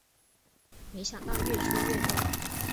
没想到越输越多